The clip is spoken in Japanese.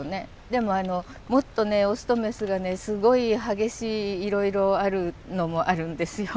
でももっとねオスとメスがねすごい激しいいろいろあるのもあるんですよ。